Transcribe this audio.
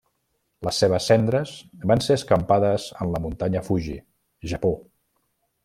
Les seves cendres van ser escampades en la Muntanya Fuji, Japó.